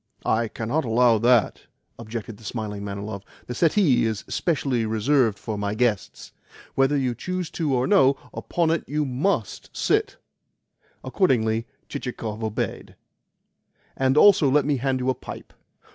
"I cannot allow that," objected the smiling Manilov. "The settee is specially reserved for my guests. Whether you choose or no, upon it you MUST sit." Accordingly Chichikov obeyed. "And also let me hand you a pipe."